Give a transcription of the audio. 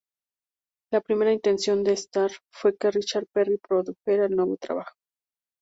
La primera intención de Starr fue que Richard Perry produjera el nuevo trabajo.